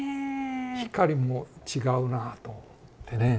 光も違うなあと思ってね。